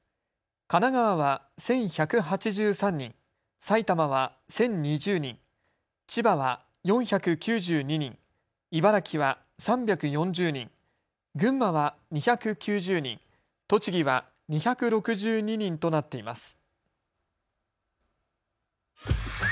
神奈川は１１８３人、埼玉は１０２０人、千葉は４９２人、茨城は３４０人、群馬は２９０人、栃木は２６２人となっています。